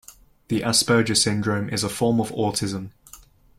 The Asperger syndrome is a form of autism.